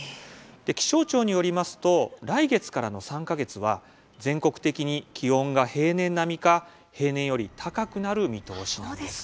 気象庁によりますと来月からの３か月は全国的に気温が平年並みか平年より高くなる見通しです。